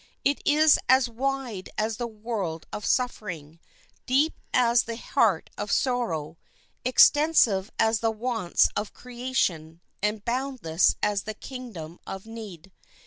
It is as wide as the world of suffering, deep as the heart of sorrow, extensive as the wants of creation, and boundless as the kingdom of need.